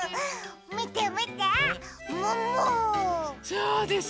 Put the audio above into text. そうです